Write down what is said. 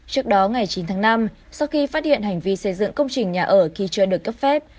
trước đó ngày chín tháng năm sau khi phát hiện hành vi xây dựng công trình nhà ở khi chưa được cấp phép